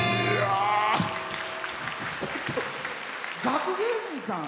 学芸員さん？